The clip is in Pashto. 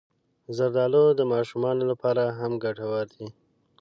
زردالو د ماشومانو لپاره هم ګټور دی.